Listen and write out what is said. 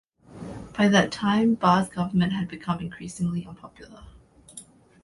By that time, Barre's government had become increasingly unpopular.